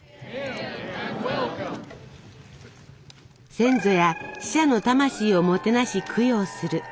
先祖や死者の魂をもてなし供養する。